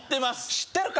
知ってるか？